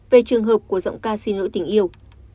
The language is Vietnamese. về trường hợp của giọng ca xin lỗi tình yêu